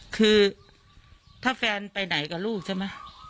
คือถ้าแฟนไปไหนกับลูกใช่ไหม